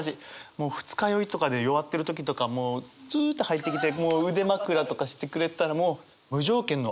もう二日酔いとかで弱ってる時とかもうスッと入ってきてもう腕枕とかしてくれたらもう。